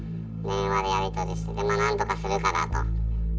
電話でやり取りして、まあなんとかするからと。